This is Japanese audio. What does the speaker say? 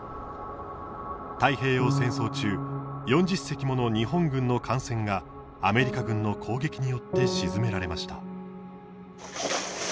太平洋戦争中４０隻もの日本軍の艦船がアメリカ軍の攻撃によって沈められました。